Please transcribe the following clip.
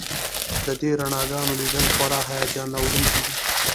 د دې رڼاګانو لیدل خورا هیجان راوړونکي وي